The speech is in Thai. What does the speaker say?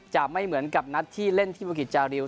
จะไม่เหมือนกับนัดที่เล่นที่บุกิจจาริว